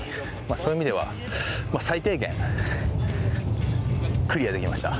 そういう意味では最低限クリアできました。